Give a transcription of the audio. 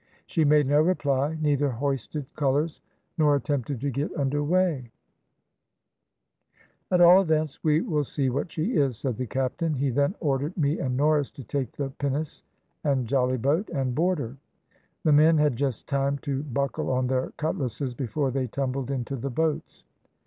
She made no reply, neither hoisted colours, nor attempted to get under weigh. "`At all events we will see what she is,' said the captain. He then ordered me and Norris to take the pinnace and jollyboat, and board her. The men had just time to buckle on their cutlasses before they tumbled into the boats.